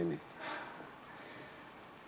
dia sepertinya sudah tidak mau tahu lagi